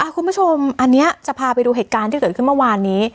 คุณผู้ชมอันนี้จะพาไปดูเกิดขึ้นเหตุการณ์เมื่อวานนี้